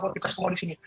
untuk kita semua di sini